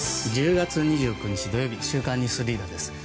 １０月２９日、土曜日「週刊ニュースリーダー」です。